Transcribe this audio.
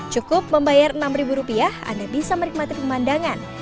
cukup membayar enam rupiah anda bisa menikmati pemandangan